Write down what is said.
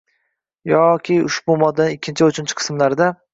yoki ushbu moddaning ikkinchi va uchinchi qismlarida